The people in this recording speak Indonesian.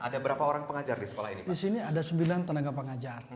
di sini ada sembilan tenaga pengajar